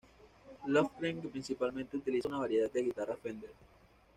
Lofgren principalmente utiliza una variedad de guitarras Fender.